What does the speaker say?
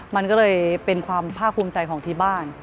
มันก็เลยเป็นความภาคภูมิใจของที่บ้าน